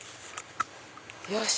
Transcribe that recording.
よし！